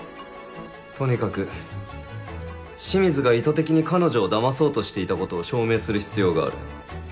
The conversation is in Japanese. とにかく清水が意図的に彼女を騙そうとしていたことを証明する必要がある。